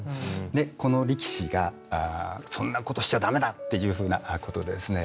でこの力士がそんなことしちゃ駄目だっていうふうなことでですね